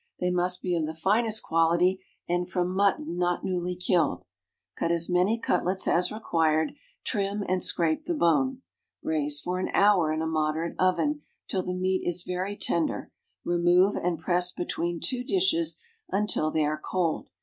They must be of the finest quality, and from mutton not newly killed. Cut as many cutlets as required, trim, and scrape the bone. Braise for an hour in a moderate oven till the meat is very tender, remove, and press between two dishes until they are cold.